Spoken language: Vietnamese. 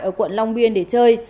ở quận long biên để chơi